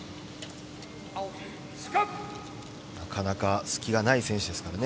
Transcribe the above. なかなか隙がない選手ですからね。